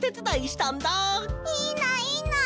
いいないいな！